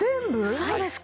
そうですか。